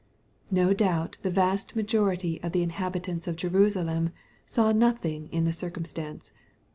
No doubt the vast majority of the inhabitants of Jerusalem saw nothing in the circumstance.